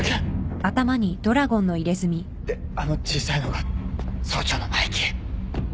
であの小さいのが総長のマイキー。